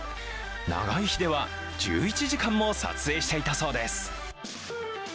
長い日では、１１時間も撮影していたそうです。